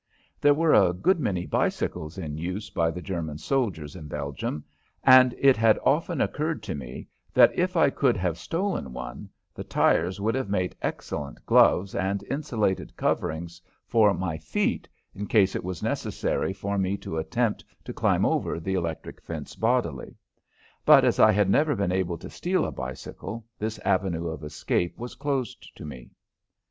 There were a good many bicycles in use by the German soldiers in Belgium, and it had often occurred to me that if I could have stolen one, the tires would have made excellent gloves and insulated coverings for my feet in case it was necessary for me to attempt to climb over the electric fence bodily. But as I had never been able to steal a bicycle, this avenue of escape was closed to me.